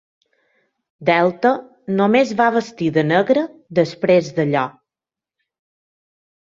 Delta només va vestir de negre després d'allò.